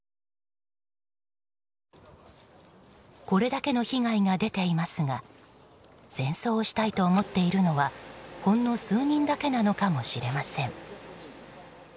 これだけの被害が出ていますが戦争をしたいと思っているのはほんの数人だけなのかもしれません。